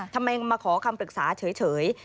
ทำไมมาขอคำปรึกษาเฉย